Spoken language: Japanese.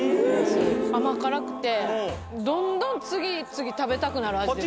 甘辛くてどんどん次々食べたくなる味です。